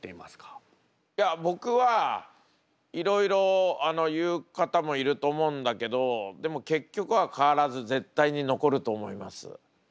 いや僕はいろいろ言う方もいると思うんだけどでも結局は変わらず絶対に残ると思います。